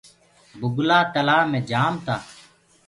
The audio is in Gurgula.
بُگلآ تلآ مي جآم تآ۔